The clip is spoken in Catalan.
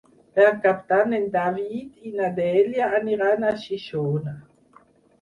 Per Cap d'Any en David i na Dèlia aniran a Xixona.